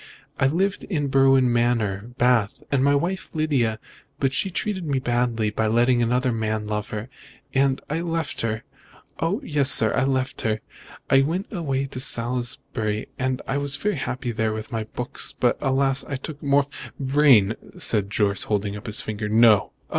"I lived in Berwin Manor, Bath, with my wife Lydia, but she treated me badly by letting another man love her, and I left her. Oh, yes, sir, I left her. I went away to Salisbury, and was very happy there with my books, but, alas! I took morph " "Vrain!" said Jorce, holding up his finger, "no!"